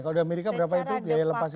kalau di amerika berapa itu biaya lepas